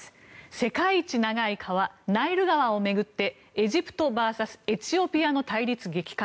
世界一長い川、ナイル川を巡ってエジプトＶＳエチオピアの対立激化。